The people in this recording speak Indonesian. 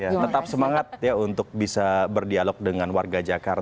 tetap semangat ya untuk bisa berdialog dengan warga jakarta